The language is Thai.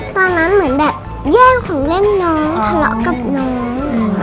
ตอนนั้นเหมือนแบบแย่งของเล่นน้องทะเลาะกับน้อง